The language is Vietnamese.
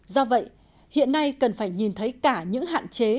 do vậy hiện nay cần phải nhìn thấy cả những hạn chế